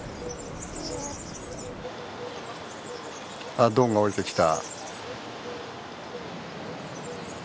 あっドンが下りてきた。